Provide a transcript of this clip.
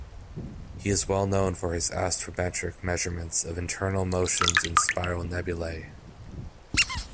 He is well known for his astrometric measurements of internal motions in spiral nebulae.